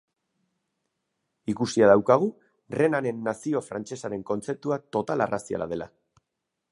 Ikusia daukagu Renanen nazio frantsesaren kontzeptua total arraziala dela.